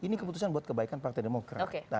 ini keputusan buat kebaikan partai demokrat